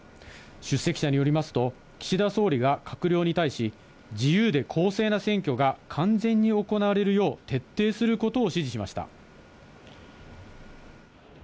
出席者によりますと、岸田総理が閣僚に対し、自由で公正な選挙が完全に行われるよう、徹底することを指示しました。